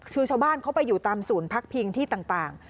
คือชาวบ้านเขาไปอยู่ตามศูนย์พักพิงที่ต่าง